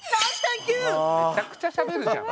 めちゃくちゃしゃべるじゃん。